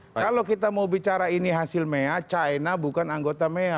kalau kita mau bicara ini hasil mea china bukan anggota mea